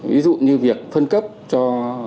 ví dụ như việc phân cấp cho